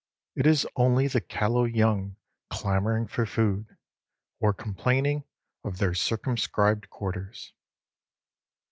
It is only the callow young clamoring for food, or complaining of their circumscribed quarters.